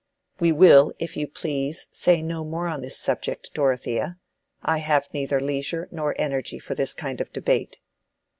"We will, if you please, say no more on this subject, Dorothea. I have neither leisure nor energy for this kind of debate."